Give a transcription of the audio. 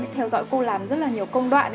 theo dõi cô làm rất là nhiều công đoạn